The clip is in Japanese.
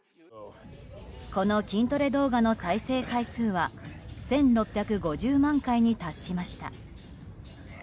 この筋トレ動画の再生回数は１６５０万回に達しました。